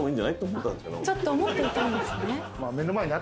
ちょっと思っていたんですね。